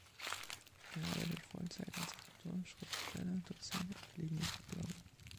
Er arbeitet Vollzeit als Autor, Schriftsteller, Dozent und gelegentlicher Blogger.